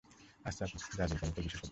আশরাফ, জাজির কেমিকেল বিশেষজ্ঞ।